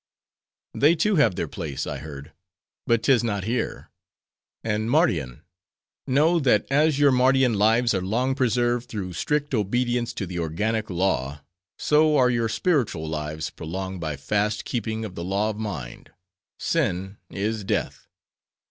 "'They, too, have their place,' I heard; 'but 'tis not here. And Mardian! know, that as your Mardian lives are long preserved through strict obedience to the organic law, so are your spiritual lives prolonged by fast keeping of the law of mind. Sin is death.